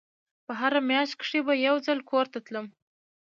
په هره مياشت کښې به يو ځل کور ته تلم.